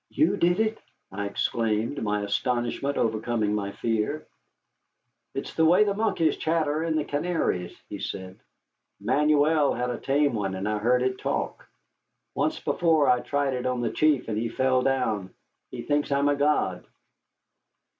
"You did it!" I exclaimed, my astonishment overcoming my fear. "It's the way the monkeys chatter in the Canaries," he said. "Manuel had a tame one, and I heard it talk. Once before I tried it on the chief, and he fell down. He thinks I'm a god."